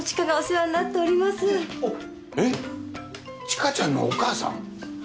知花ちゃんのお母さん？